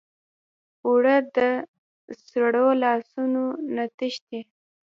اوړه د سړو لاسو نه تښتي